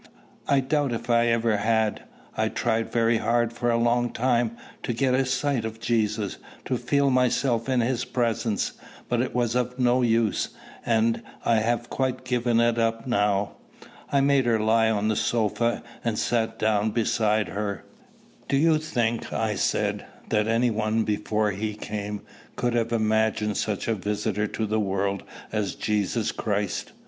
I doubt if I ever had. I tried very hard for a long time to get a sight of Jesus, to feel myself in his presence; but it was of no use, and I have quite given it up now." I made her lie on the sofa, and sat down beside her. "Do you think," I said, "that any one, before he came, could have imagined such a visitor to the world as Jesus Christ?"